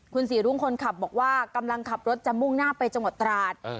คุณศรีรุ้งคนขับบอกว่ากำลังขับรถจะมุ่งหน้าไปจังหวัดตราด